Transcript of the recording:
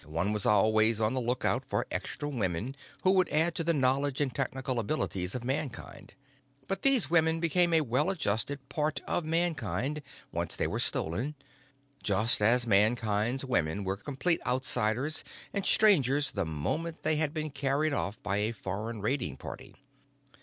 One was always on the lookout for extra women who could add to the knowledge and technical abilities of Mankind. But these women became a well adjusted part of Mankind once they were stolen, just as Mankind's women were complete outsiders and Strangers the moment they had been carried off by a foreign raiding party.